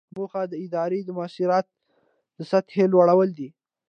موخه د ادارې د مؤثریت د سطحې لوړول دي.